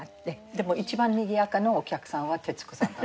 でも一番にぎやかなお客さんは徹子さん。